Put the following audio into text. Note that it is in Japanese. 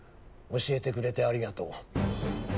教えてくれてありがとう。